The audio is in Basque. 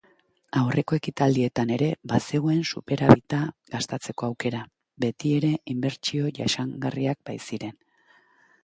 Aurreko ekitaldietan ere bazegoen superabita gastatzeko aukera, betiere inbertsio jasangarriak baziren.